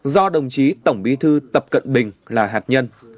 do đồng chí tổng bí thư tập cận bình là hạt nhân